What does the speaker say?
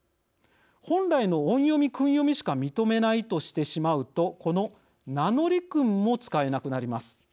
本来の音読み訓読みしか認めないとしてしまうとこの名乗り訓も使えなくなります。